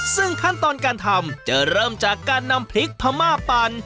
ซึ่งขั้นตอนการทำจะเริ่มจากการนำพริกพม่าปั่น